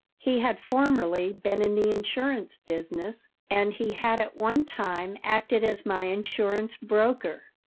He had formerly been in the insurance business, and he had at one time acted as my insurance broker.